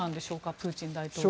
プーチン大統領と。